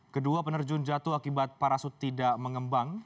kedua penerjun jatuh akibat parasut tidak mengembang